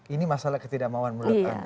ini masalah ketidakmauan menurut anda